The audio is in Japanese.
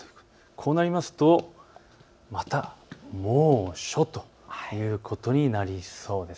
こうなりますと、また猛暑ということになりそうです。